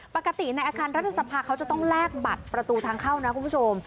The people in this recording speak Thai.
ปกติในอาคารรัฐสภาเขาจะต้องแลกบัตรประตูทางเข้านะคุณผู้ชม